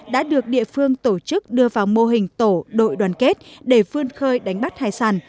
đã được địa phương tổ chức đưa vào mô hình tổ đội đoàn kết để vươn khơi đánh bắt hải sản